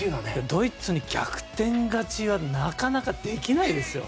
ドイツに逆転勝ちはなかなかできないですよ。